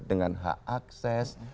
dengan hak akses